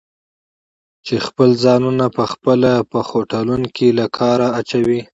چې خپل ځانونه پخپله په خوټلون کې له کاره اچوي؟